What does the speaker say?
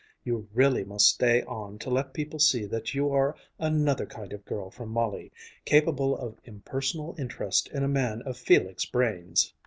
You really must stay on to let people see that you are another kind of girl from Molly, capable of impersonal interest in a man of Felix's brains."